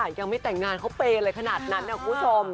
ยังไม่แต่งงานเขาเปย์อะไรขนาดนั้นนะคุณผู้ชม